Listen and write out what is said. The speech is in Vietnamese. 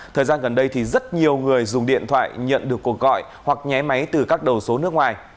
thời gian gần đây thì rất nhiều người dùng điện thoại nhận được cuộc gọi hoặc nhé máy từ các đầu số nước ngoài